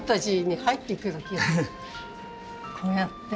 こうこうやって。